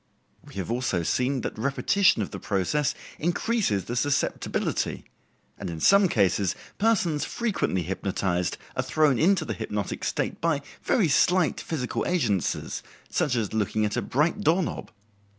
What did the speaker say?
We have also seen that repetition of the process increases the susceptibility, and in some cases persons frequently hypnotized are thrown into the hypnotic state by very slight physical agencies, such as looking at a bright doorknob.